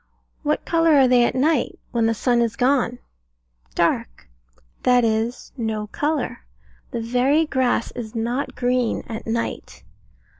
What colour are they at night, when the sun is gone? Dark. That is, no colour. The very grass is not green at night.